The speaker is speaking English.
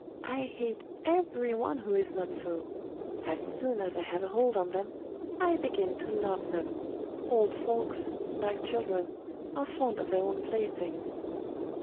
I hate every one who is not so. As soon as I have a hold on them, I begin to love them. Old folks, like children, are fond of their own playthings.